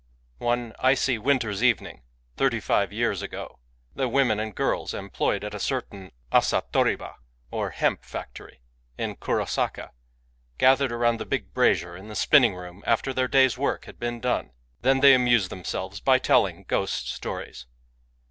One icy winter's evening, thirty five years ago, the women and girls employed at a certain asa toribdy or hemp factory, in Kurosaka, gathered around the big brazier in the spinning room after their day's work had been done. Then they amused themselves by telling ghost stories.